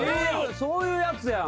そういうやつやん。